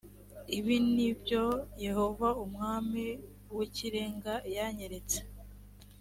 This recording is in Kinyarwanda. ibi ni byo yehova umwami w ikirenga yanyeretse